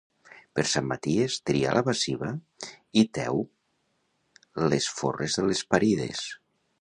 Per Sant Maties, tria la baciva i teu les forres de les parides.